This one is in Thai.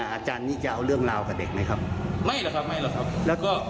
อาจารย์นี้จะเอาเรื่องราวกับเด็กไหมครับไม่หรอกครับไม่หรอกครับแล้วก็